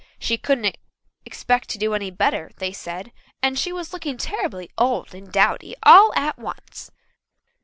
She couldn't expect to do any better, they said, and she was looking terribly old and dowdy all at once.